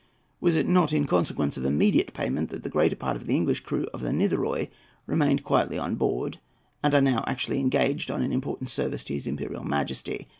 Was it not in consequence of immediate payment that the greater part of the English crew of the Nitherohy remained quietly on board, and are now actually engaged on an important service to his Imperial Majesty?